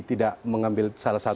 tidak mengambil salah satu